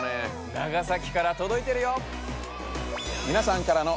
長崎から届いてるよ！